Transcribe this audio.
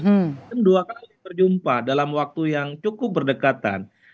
mungkin dua kali berjumpa dalam waktu yang cukup berdekatan